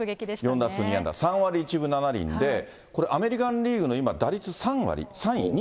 ４打数２安打１打点、３割１分７厘で、これ、アメリカンリーグの今、打率３位？